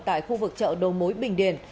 tại khu vực chợ đầu mối bình điền